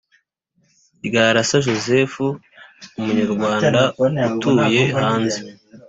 Ryarasa joseph umunyarwanda utuye hanze